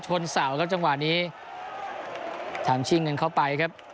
เสาครับจังหวะนี้ทำชิงเงินเข้าไปครับ